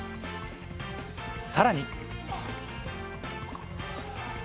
さらに。